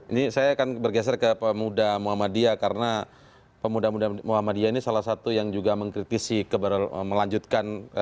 ini saya akan bergeser ke pemuda muhammadiyah karena pemuda pemuda muhammadiyah ini salah satu yang juga mengkritisi melanjutkan